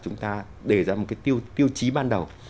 chúng ta đề ra một cái tiêu chí ban đầu